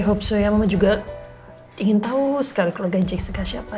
i hope so ya mamah juga ingin tau sekali keluarganya jessica siapa